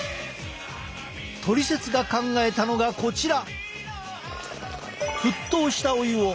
「トリセツ」が考えたのがこちら。